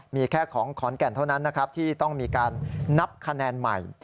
มีแค่ของขอนแก่นเท่านั้นนะครับที่ต้องมีการนับคะแนนใหม่